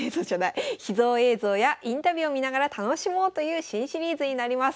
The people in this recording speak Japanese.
秘蔵映像やインタビューを見ながら楽しもうという新シリーズになります。